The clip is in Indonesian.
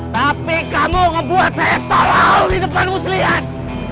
tapi kamu ngebuat saya tolol di depanmu selian